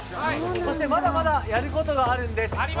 そしてまだまだ、やることがあるんです。